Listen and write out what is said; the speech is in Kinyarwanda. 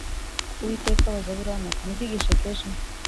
Uwiteka abaza Aburahamu ati Ni iki gishekeje